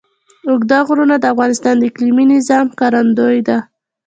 اوږده غرونه د افغانستان د اقلیمي نظام ښکارندوی ده.